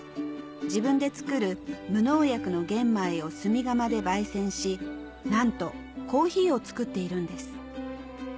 自分で作る無農薬の玄米を炭窯で焙煎しなんと珈琲を作っているんです